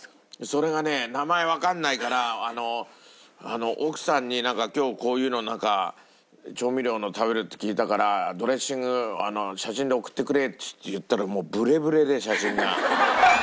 それがね名前わかんないから奥さんになんか今日こういうの調味料のを食べるって聞いたから「ドレッシング写真で送ってくれ」って言ったらもうブレブレで写真が。